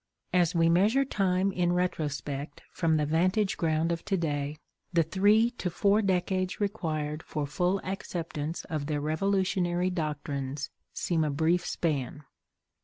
As we measure time in retrospect from the vantage ground of to day, the three to four decades required for full acceptance of their revolutionary doctrines seem a brief span.